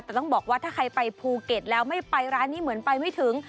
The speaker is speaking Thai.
แต่ต้องบอกว่าถ้าใครไปภูเก็ตแล้วไม่ไปร้านนี้เหมือนไปไม่ถึง